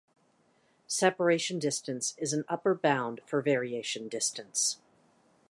Separation distance is an upper bound for variation distance.